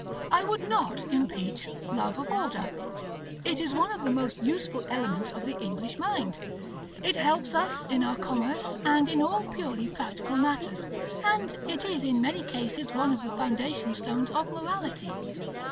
I would not impeach love of order: it is one of the most useful elements of the English mind; it helps us in our commerce and in all purely practical matters; and it is in many cases one of the foundation stones of morality.